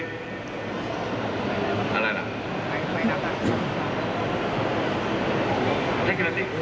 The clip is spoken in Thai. เทคโนโลยีอย่างเยอะอ่ะไหม